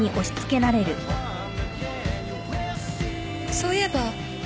そういえば